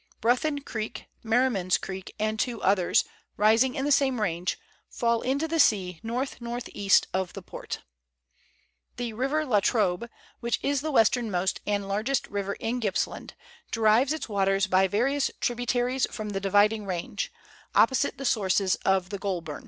Bruthen Creek, Merriman's Creek, and two others, rising in the same range, fall into the sea north north east of the Port. The River La Trobe, which is the westernmost and largest river in Gippsland, derives its waters by various tributaries from the Dividing Range, opposite the sources of the Goulburn.